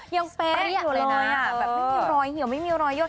เป๊ะอยู่เลยนะแบบไม่มีรอยเหี่ยวไม่มีรอยยด